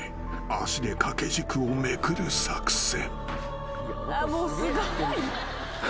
足で掛け軸をめくる作戦］